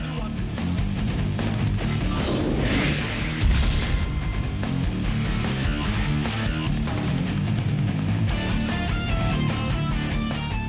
ส่วนคู่ต่อไปของกาวสีมือเจ้าระเข้ยวนะครับขอบคุณด้วย